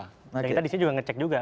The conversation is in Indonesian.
kita disini juga ngecek juga